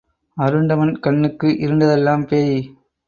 அருண்டவன் கண்ணுக்கு இருண்டதெல்லாம் பேய்.